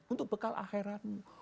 untuk bekal akhiratmu